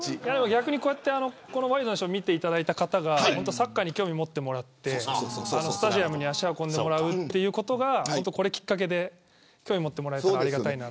逆にワイドナショーを見ていただいた方にサッカーに興味を持ってもらってスタジアムに足を運んでもらうことへこれをきっかけに興味持ってもらえたらありがたい。